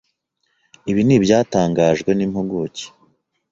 Ibi n’ibyatangajwe n’impuguke